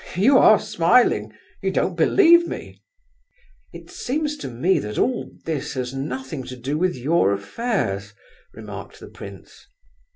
You are smiling. You don't believe me?" "It seems to me that all this has nothing to do with your affairs," remarked the prince.